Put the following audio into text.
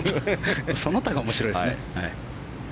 その他が面白いですね。